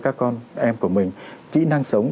các con em của mình kỹ năng sống